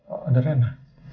oh ada reina